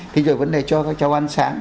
thì rồi vấn đề cho các cháu ăn sáng